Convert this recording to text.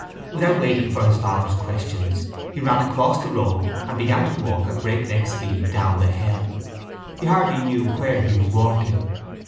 Without waiting for his father's questions he ran across the road and began to walk at breakneck speed down the hill. He hardly knew where he was walking.